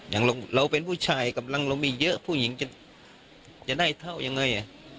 อย่างเราเป็นผู้ชายกำลังเรามีเยอะผู้หญิงจะได้เท่ายังไง